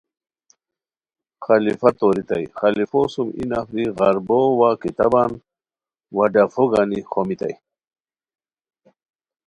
خلیفہ تورتائے خلیفو سُم ای نفری غربو وا کتابان وا ڈافو گانی خومیتائے